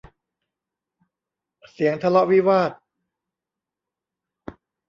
เสียงทะเลาะวิวาท